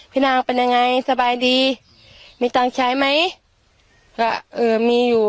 นางเป็นยังไงสบายดีมีตังค์ใช้ไหมก็เออมีอยู่